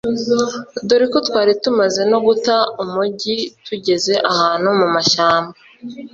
dore ko twari tumaze no guta umugi tugeze ahantu mumashyamba